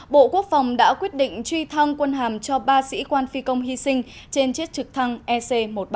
bộ quốc phòng đã quyết định truy thăng quân hàm cho ba sĩ quan phi công hy sinh trên chiếc trực thăng ec một trăm ba mươi